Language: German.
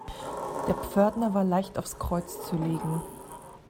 Der Pförtner war leicht aufs Kreuz zu legen.